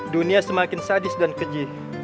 dunia semakin sadis dan keji